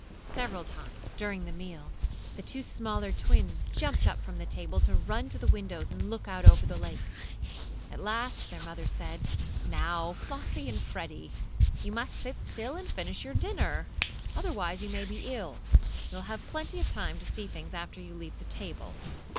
Several times, during the meal, the two smaller twins jumped up from the table to run to the windows and look out over the lake. At last their mother said: "Now, Flossie and Freddie, you must sit still and finish your dinner. Otherwise you may be ill. You'll have plenty of time to see things after you leave the table."